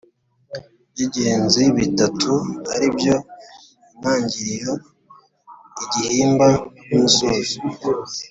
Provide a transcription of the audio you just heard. by’ingenzi bitatu, ari byo intangiriro, igihimba n’umusozo.